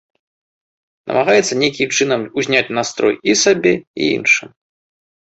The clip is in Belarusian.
Намагаецца нейкім чынам узняць настрой і сабе, і іншым.